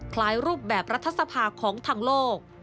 รูปแบบรัฐสภาของทางโลก